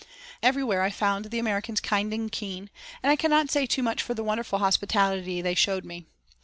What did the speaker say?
Everywhere I found the Americans kind and keen, and I cannot say too much for the wonderful hospitality they showed me.